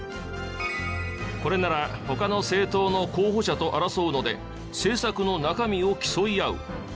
これなら他の政党の候補者と争うので政策の中身を競い合う。